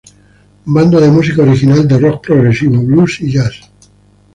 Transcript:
Banda de música original de rock progresivo, blues y jazz.